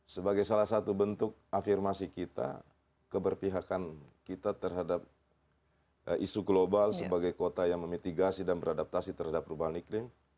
sebagai salah satu bentuk afirmasi kita keberpihakan kita terhadap isu global sebagai kota yang memitigasi dan beradaptasi terhadap perubahan iklim